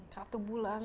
satu bulan berhenti